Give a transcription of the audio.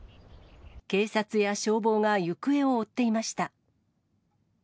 警察や消防が行方を追っていました。